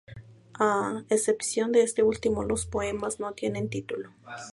A excepción de este último, los poemas no tienen título.